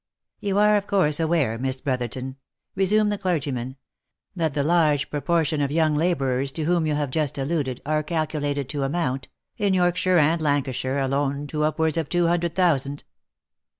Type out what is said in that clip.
" You are of course aware, Miss Brotherton," resumed the clergy man, " that the large proportion of young labourers to whom you have just alluded, are calculated to amount, in Yorkshire and Lancashire alone to upwards of two hundred thousand."